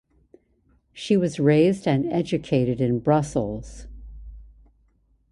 She was raised and educated in Brussels.